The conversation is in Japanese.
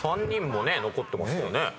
３人もね残ってますよね。